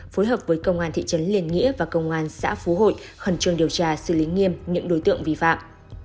phối hợp với công an thị trấn liên nghĩa và công an xã phú hội khẩn trương điều tra xử lý nghiêm những đối tượng vi phạm